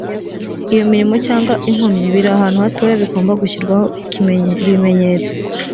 iyo imirimo cyangwa inkomyi biri ahantu hatoya bigomba gushyirwaho ibimenyetso